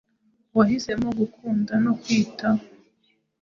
Wahisemo gukunda no kwitaho,